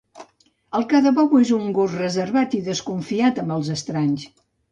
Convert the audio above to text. El Ca de bou és un gos reservat i desconfiat amb els estranys.